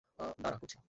দাঁড়া, করছি।